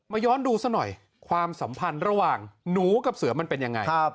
ย้อนดูซะหน่อยความสัมพันธ์ระหว่างหนูกับเสือมันเป็นยังไง